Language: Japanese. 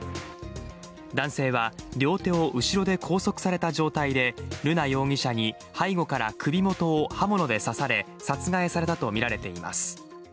男性は両手を後ろで拘束された状態で瑠奈容疑者に背後から首元を刃物で刺され殺害されたとみられています。